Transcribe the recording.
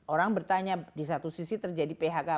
orang bertanya di satu sisi terjadi phk